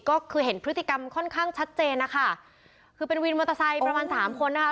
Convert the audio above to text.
ก็คือเห็นพฤติกรรมค่อนข้างชัดเจนนะคะคือเป็นวินมอเตอร์ไซค์ประมาณสามคนนะคะ